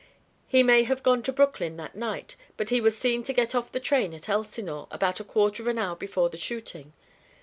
He may have gone to Brooklyn that night, but he was seen to get off the train at Elsinore about a quarter of an hour before the shooting.